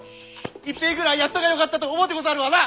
いっぺえぐらいやっときゃよかったと思うてござるわな！